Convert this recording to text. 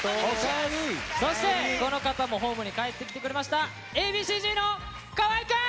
そしてこの方もホームに帰ってきてくれましたＡ．Ｂ．Ｃ−Ｚの河合くん！